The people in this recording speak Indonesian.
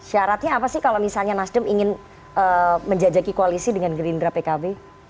syaratnya apa sih kalau misalnya nasdem ingin menjajaki koalisi dengan gerindra pkb